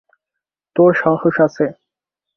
তোর সাহস আছে।